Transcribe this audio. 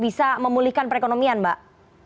bisa memulihkan perekonomian mbak